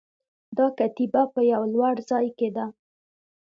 دا کتیبه په یوه لوړ ځای کې ده